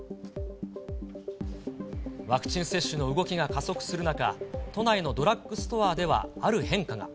ワクチン接種の動きが加速する中、都内のドラッグストアではある変化が。